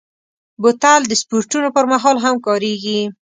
بوتل د سپورټونو پر مهال هم کارېږي.